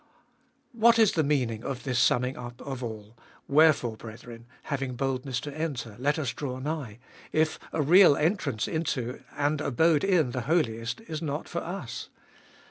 What is the meaning of this summing up of all, Wherefore brethren, having boldness to enter — let us draw nigh, if a real entrance into and abode in the Holiest is not for us